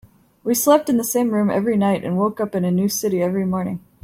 We slept in the same room every night and woke up in a new city every morning.